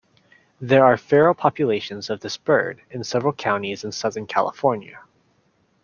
There are feral populations of this bird in several counties in southern California.